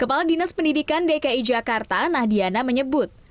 kepala dinas pendidikan dki jakarta nahdiana menyebut